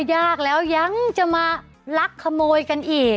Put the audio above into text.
ยากแล้วยังจะมาลักขโมยกันอีก